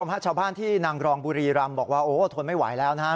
พระพระชาวบ้านที่นางรองบุรีรำบอกว่าโอ้โหทนไม่ไหวแล้วนะฮะ